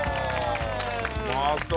うまそう！